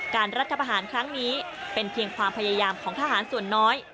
รัฐประหารครั้งนี้เป็นเพียงความพยายามของทหารส่วนน้อย